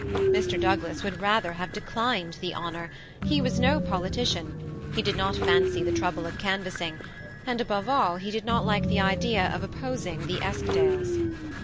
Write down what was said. Mr. Douglas would rather have declined the honor : he was no politician, he did not fancy the trouble of canvassing, and, above all, he did not like the idea of opposing the Eskdales.